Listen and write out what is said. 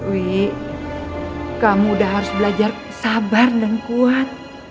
wi kamu udah harus belajar sabar dan kuat